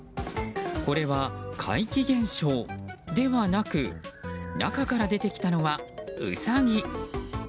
これは、怪奇現象ではなく中から出てきたのはウサギ。